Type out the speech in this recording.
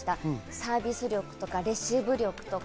サービス力とかレシーブ力とか。